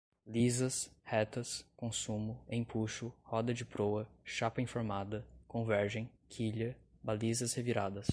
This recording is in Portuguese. lisas, retas, consumo, empuxo, roda de proa, chapa enformada, convergem, quilha, balizas reviradas